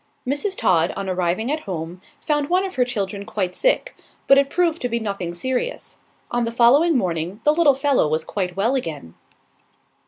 Mrs. Todd, on arriving at home, found one of her children quite sick; but it proved to be nothing serious. On the following morning, the little fellow was quite well again.